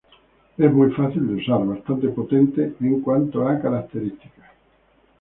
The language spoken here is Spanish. Es muy fácil de usar, bastante potente en cuanto a características.